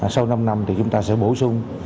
sau năm năm thì chúng ta sẽ bổ sung